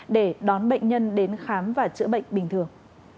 để đón bệnh nhân đến khám và chữa bệnh bình thường